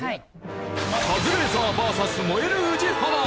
カズレーザーＶＳ燃える宇治原。